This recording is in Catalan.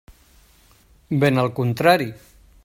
Ben al contrari.